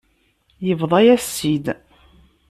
Yebḍa-yas-tt-id.